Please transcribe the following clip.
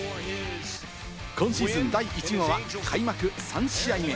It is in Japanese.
シーズン第１号は開幕３試合目。